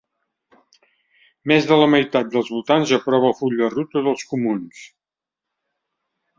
Més de la meitat dels votants aprova el full de ruta dels Comuns